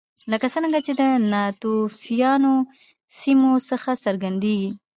لکه څرنګه چې له ناتوفیانو سیمو څخه څرګندېږي